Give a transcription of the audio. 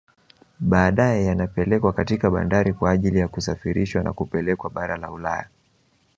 Badae yanapelekwa katika bandari kwa ajili ya kusafirishwa na kupelekwa bara la Ulaya